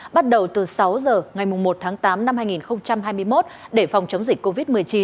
bắt đầu từ sáu giờ ngày một tháng tám năm hai nghìn hai mươi một để phòng chống dịch covid một mươi chín